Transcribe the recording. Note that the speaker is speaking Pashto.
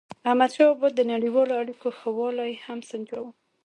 احمدشاه بابا به د نړیوالو اړیکو ښه والی هم سنجاوو.